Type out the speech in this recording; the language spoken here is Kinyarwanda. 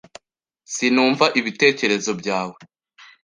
Sinumva ibitekerezo byawe.